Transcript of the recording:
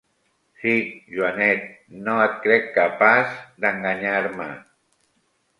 Sí, Joanet: no et crec capaç d'enganyar-me.